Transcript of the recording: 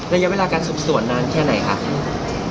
ระยะเวลาการสูบส่วนนานแค่ไหนครับ